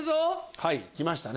はい来ましたね。